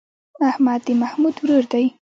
احمد د محمود ورور دی.